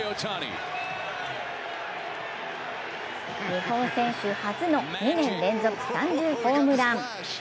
日本選手初の２年連続３０ホームラン。